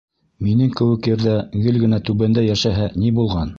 Минең кеүек, ерҙә, гел генә түбәндә йәшәҺә ни булған?